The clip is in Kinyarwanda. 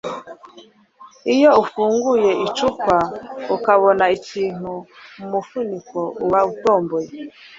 Iyo ufunguye icupa ukabona ikintu mumufuniko uba utomboye